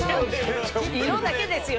色だけですよ